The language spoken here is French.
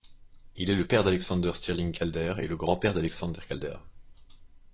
Il est le père d'Alexander Stirling Calder et le grand-père d'Alexander Calder.